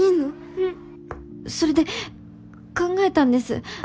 うんそれで考えたんです。